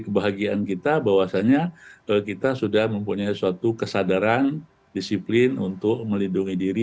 kebahagiaan kita bahwasanya kita sudah mempunyai suatu kesadaran disiplin untuk melindungi diri